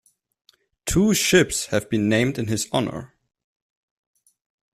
Two ships have been named in his honor.